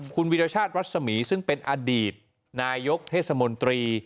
คุณวิรชาติรัศมีซึ่งเป็นอดีตนายกเทศมนตรี